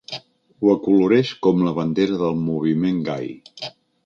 Ho acoloreix com la bandera del moviment gai.